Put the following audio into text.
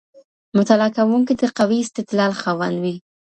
مطالعه کوونکی د قوي استدلال خاوند وي.